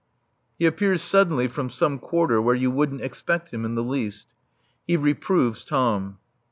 He appears suddenly from some quarter where you wouldn't expect him in the least. He reproves Tom.